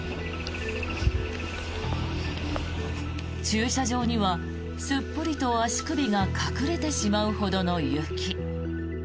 駐車場には、すっぽりと足首が隠れてしまうほどの雪。